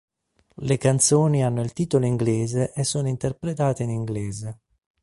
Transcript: Le canzoni hanno il titolo inglese e sono interpretate in inglese.